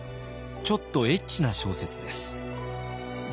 ちょっとエッチな小説です。